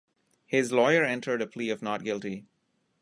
His lawyer entered a plea of "not guilty".